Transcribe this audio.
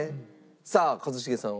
さあ一茂さんは？